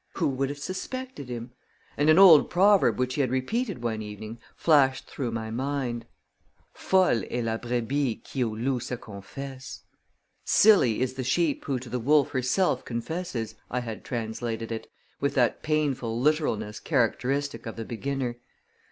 Who would have suspected him? And an old proverb which he had repeated one evening, flashed through my mind: "Folle est la brebis qui au loup se confesse." "Silly is the sheep who to the wolf herself confesses," I had translated it, with that painful literalness characteristic of the beginner.